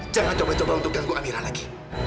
jangan coba coba untuk ganggu amirah lagi